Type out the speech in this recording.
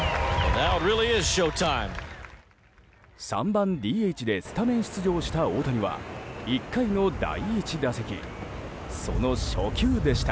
３番ＤＨでスタメン出場した大谷は１回の第１打席その初球でした。